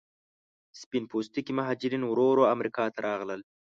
سپین پوستکي مهاجرین ورو ورو امریکا ته راغلل.